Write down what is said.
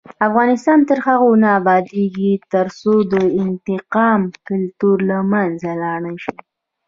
افغانستان تر هغو نه ابادیږي، ترڅو د انتقام کلتور له منځه لاړ نشي.